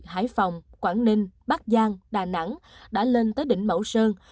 hải phòng quảng ninh bắc giang đà nẵng đã lên tới đỉnh mẫu sơn